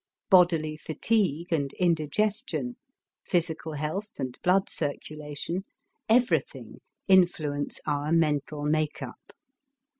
Bodily fatigue and indigestion, physical health and blood circulation, everything, influence our mental make up.